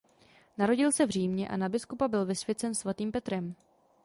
Narodil se v Římě a na biskupa byl vysvěcen svatým Petrem.